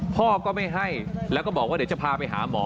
พ่อก็ไม่ให้แล้วก็บอกว่าเดี๋ยวจะพาไปหาหมอ